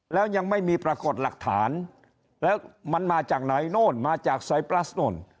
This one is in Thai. แล้วยังไม่มีปรากฏหลักฐานแล้วมันมาจากไหนโน่นมาจากไซปรัสโน่น